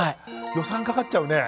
予算かかっちゃうね。